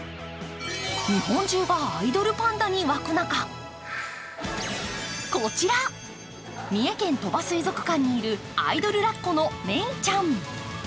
日本中がアイドルパンダに沸く中こちら、三重県・鳥羽水族館にいるアイドルラッコのメイちゃん。